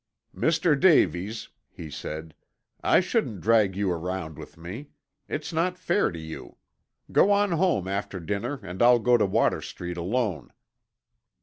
"Mr. Davies," he said, "I shouldn't drag you around with me. It's not fair to you. Go on home after dinner and I'll go to Water Street alone."